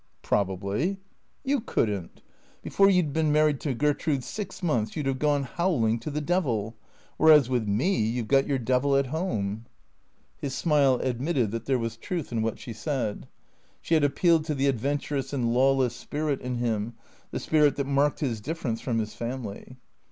" Probably." " You could n't. Before you 'd been married to Gertrude six months you 'd have gone, howling, to the devil. Whereas with me you 've got your devil at home." THE CEEATOES 393 His smile admitted that there was truth in what she said. She had appealed to the adventurous and lawless spirit in him, the spirit that marked his difference from his family.